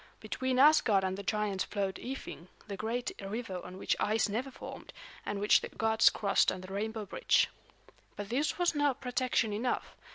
Between Asgard and the giants flowed Ifing, the great river on which ice never formed, and which the gods crossed on the rainbow bridge. But this was not protection enough.